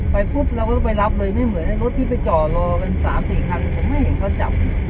ปุ๊บเราก็ไปรับเลยไม่เหมือนรถที่ไปจ่อรอกัน๓๔คันผมไม่เห็นเขาจับ